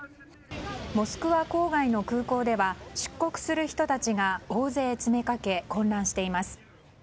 モスクワ郊外の空港では出国する人たちが大勢詰めかけ混乱しています。